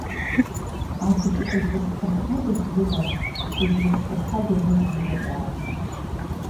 Абжьқәа зласԥырхагазгьы ыҟан, аха изласԥырхагамызгьы ыҟазаарын.